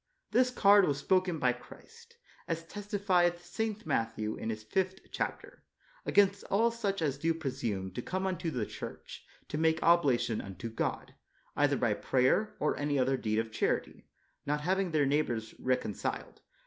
This card was spoken by Christ, as testifieth St. Matthew in his fifth chapter, against all such as do presume to come unto the Church to make oblation unto God, either by prayer, or any other deed of charity, not having their neighbors recon ciled.